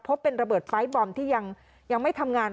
เป็นระเบิดปลายบอมที่ยังไม่ทำงาน